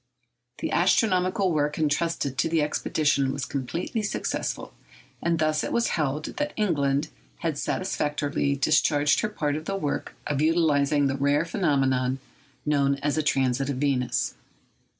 The astronomical work entrusted to the expedition was completely successful; and thus it was held that England had satisfactorily discharged her part of the work of utilising the rare phenomenon known as a transit of Venus.